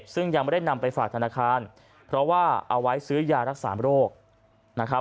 ซึ่งยังไม่ได้นำไปฝากธนาคารเพราะว่าเอาไว้ซื้อยารักษาโรคนะครับ